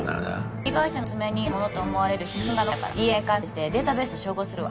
被害者の爪に犯人のものと思われる皮膚片が残ってたからＤＮＡ鑑定してデータベースと照合するわ。